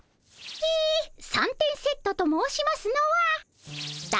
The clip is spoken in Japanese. え三点セットと申しますのはだ